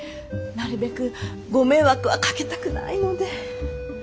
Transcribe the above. なるべくご迷惑はかけたくないので。